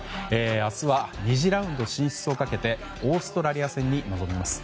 明日は２次ラウンド進出をかけてオーストラリア戦に臨みます。